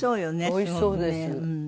おいしそうです。